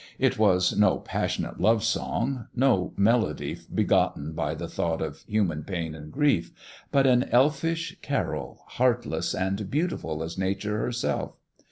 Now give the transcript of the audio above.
It was no passionate THE dwarf's chamber 25 love song, no melody begotten by the thought of human pQJn and grief, but an elfish carol, heartless and beautiful *s Nature herself.